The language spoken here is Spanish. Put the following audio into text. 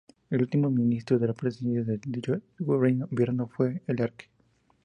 El último Ministro de la Presidencia de dicho gobierno fue el Arq.